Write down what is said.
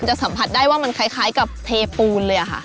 สัมผัสได้ว่ามันคล้ายกับเทปูนเลยค่ะ